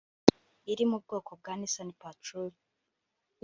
iri mu bwoko bwa Nissan Patrol